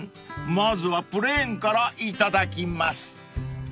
まずはプレーンから頂きます］